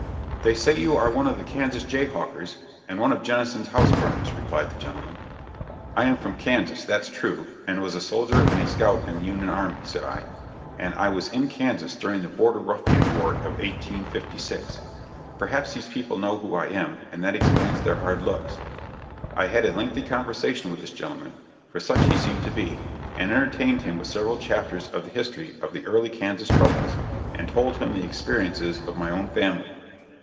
"They say that you are one of the Kansas jay hawkers, and one of Jennison's house burners," replied the gentleman. "I am from Kansas that's true; and was a soldier and a scout in the Union army," said I; "and I was in Kansas during the border ruffian war of 1856. Perhaps these people know who I am, and that explains their hard looks." I had a lengthy conversation with this gentleman for such he seemed to be and entertained him with several chapters of the history of the early Kansas troubles, and told him the experiences of my own family.